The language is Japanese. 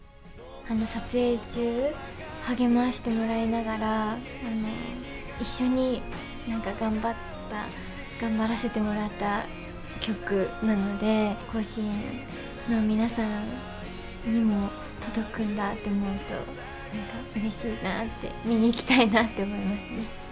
撮影中、励ましてもらいながら一緒に頑張らせてもらった曲なので甲子園の皆さんにも届くんだって思うとうれしいなって見に行きたいなって思いますね。